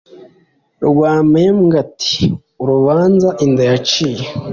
rwampembwe ati: “urubanza inda yaciye